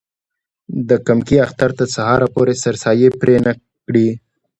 د کمکي اختر تر سهاره پورې سرسایې پرې نه کړي.